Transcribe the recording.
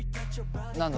何だ？